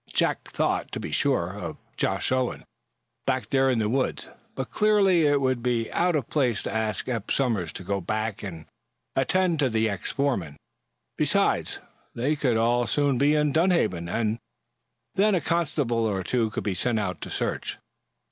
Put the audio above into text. Jack thought, to be sure, of Josh Owen, back there in the woods, but clearly it would be out of place to ask Eph Somers to go back and attend to the ex foreman. Besides, they could all soon be in Dunhaven, and then a constable or two could be sent out to search.